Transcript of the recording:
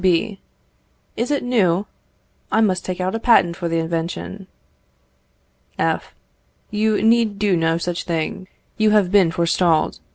B. Is it new? I must take out a patent for the invention. F. You need do no such thing; you have been forestalled.